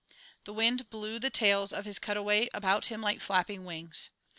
The wind blew the tails of his cutaway about him like flapping wings.